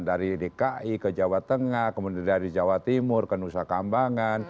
dari dki ke jawa tengah kemudian dari jawa timur ke nusa kambangan